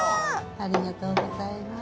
ありがとうございます。